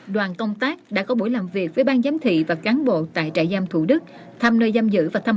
đoàn công tác đã có buổi làm việc với ban giám thị và phụ nữ việt nam